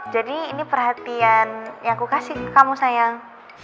jadi ini perhatian yang aku kasih ke kamu sayang